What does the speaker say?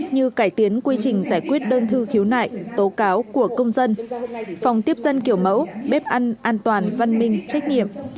như cải tiến quy trình giải quyết đơn thư khiếu nại tố cáo của công dân phòng tiếp dân kiểu mẫu bếp ăn an toàn văn minh trách nhiệm